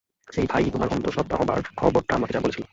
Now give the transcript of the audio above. সেই ভাই-ই তোমার অন্তঃসত্ত্বা হবার খবরটা আমাকে বলেছিল!